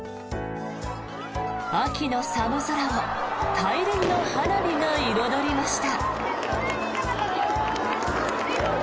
秋の寒空を大輪の花火が彩りました。